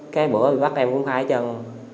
cái bữa bị bắt em cũng khai chân